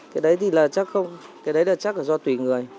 cái đấy thì là chắc không cái đấy là chắc là do tùy người